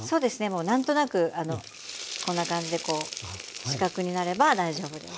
もう何となくこんな感じでこう四角になれば大丈夫です。